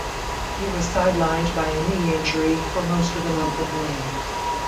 He was sidelined by a knee injury for most of the month of May.